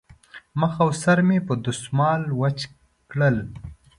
مخ او سر مې په دستمال وچ کړل.